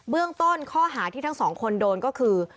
เรื่องต้นข้อหาที่ทั้งสองคนโดนก็คือ